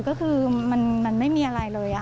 ก็คือมันไม่มีอะไรเลย